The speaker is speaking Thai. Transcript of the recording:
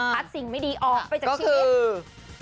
สิ่งไม่ดีออกไปจากชีวิต